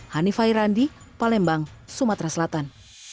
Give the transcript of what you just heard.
hanifah irandi palembang sumatera selatan